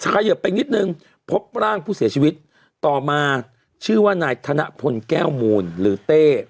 เขยิบไปนิดนึงพบร่างผู้เสียชีวิตต่อมาชื่อว่านายธนพลแก้วมูลหรือเต้